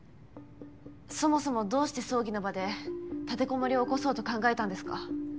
そもそもどうして葬儀の場で立てこもりを起こそうと考えたんですか？